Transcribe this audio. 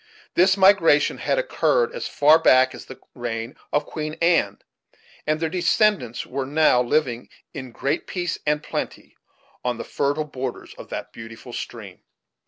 This migration had occurred as far back as the reign of Queen Anne; and their descendants were now living, in great peace and plenty, on the fertile borders of that beautiful stream.